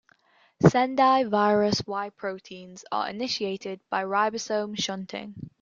Sendai virus Y proteins are initiated by ribosome shunting.